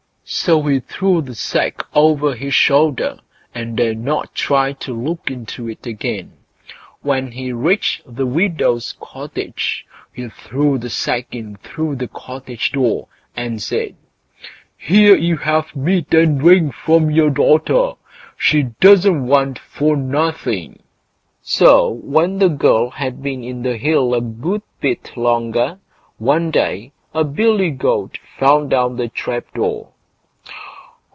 So he threw the sack over his shoulder, and dared not try to look into it again. When he reached the widow's cottage, he threw the sack in through the cottage door, and said: "Here you have meat and drink from your daughter; she doesn't want for anything." So, when the girl had been in the hill a good bit longer, one day a billy goat fell down the trap door.